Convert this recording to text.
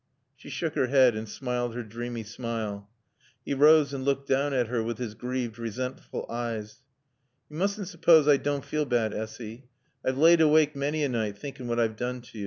She shook her head and smiled her dreamy smile. He rose and looked down at her with his grieved, resentful eyes. "Yo' moosn' suppawse I dawn feel baad, Essy. I've laaid awaake manny a night, thinkin' what I've doon t'yo'."